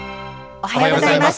おはようございます。